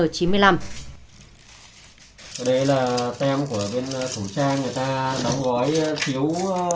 đây là tem của bên khẩu trang người ta đóng gói thiếu